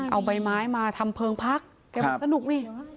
เอาใบไม้มาทำเพลิงพักแกบอกสนุกนี่